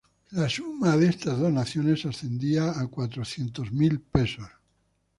La suma de estas donaciones ascendía a cuatrocientos mil pesos.